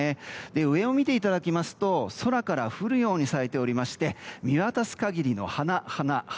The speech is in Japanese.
上を見ていただきますと空から降るように咲いておりまして見渡す限りの花、花、花。